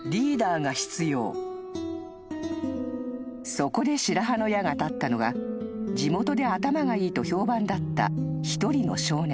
［そこで白羽の矢が立ったのが地元で頭がいいと評判だった一人の少年］